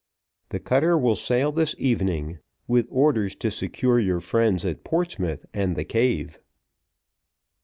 "The cutter will sail this evening with orders to secure your friends at Portsmouth and the cave."